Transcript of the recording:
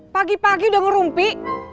pagi pagi udah ngerumpi